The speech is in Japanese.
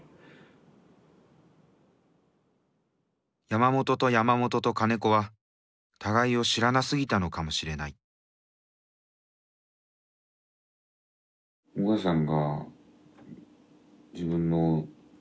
山本と山本と金子は互いを知らなすぎたのかもしれないうん。